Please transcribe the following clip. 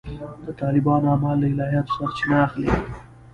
د طالبانو اعمال له الهیاتو سرچینه اخلي.